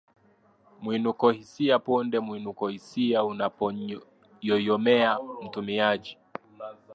mwinukohisia Punde mwinukohisia unapoyoyomea mtumiaji